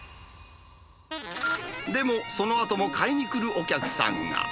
でも、そのあとも買いにくるお客さんが。